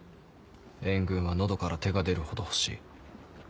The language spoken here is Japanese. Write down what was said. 援軍は喉から手が出るほど欲しい。